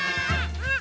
あっ！